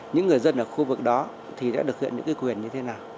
những người dân ở khu vực đó thì đã được hiện những quyền như thế nào